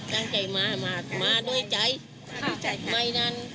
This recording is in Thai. ตั้งใจมามาด้วยใจ